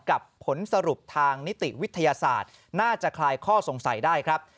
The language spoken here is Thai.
ผลสรุปทางนิติวิทยาศาสตร์น่าจะคลายข้อสงสัยได้ครับ